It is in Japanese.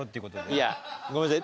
いやごめんなさい。